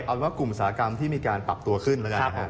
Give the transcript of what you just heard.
เอาสมมุติว่ากลุ่มอุตสาหกรรมที่มีการปรับตัวขึ้นเองนะครับ